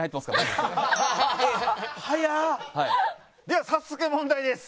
では早速問題です。